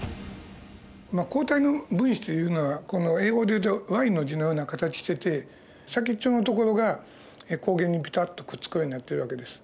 抗体の分子というのは英語でいうとＹの字のような形してて先っちょのところが抗原にピタッとくっつくようになってる訳です。